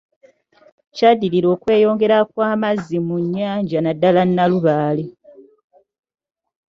Kyaddirira okweyongera kwa amazzi mu nnyanja naddala Nalubaale